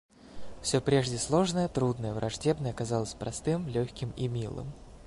Всё прежде сложное, трудное, враждебное казалось простым, легким и милым.